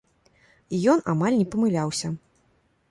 І ён амаль не памыляўся.